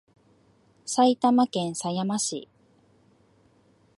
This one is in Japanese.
埼玉県狭山市